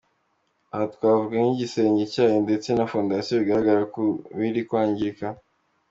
Aha twavuga nk’igisenge cyayo ndetse na fondasiyo bigaragara ko biri kwangirika.